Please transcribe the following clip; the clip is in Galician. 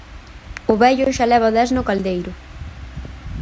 O vello xa leva dez no caldeiro.